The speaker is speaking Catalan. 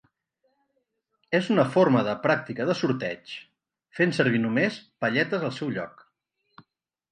És una forma de pràctica de sorteig, fent servir només palletes al seu lloc.